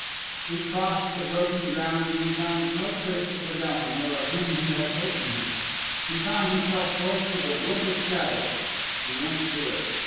He crossed the broken ground and he found no trace of Fedelma nor of him who had taken her. He found himself close to the Wood of Shadows. He went through it.